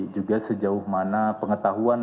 juga sejauh mana pengetahuan